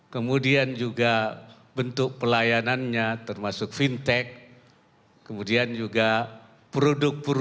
kemudian juga bentuk pelayanannya termasuk fintech kemudian juga produk produk